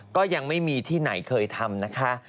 ก็ยังไม่มีที่ไหนเคยทำนะคะ